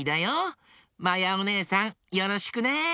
まやおねえさんよろしくね。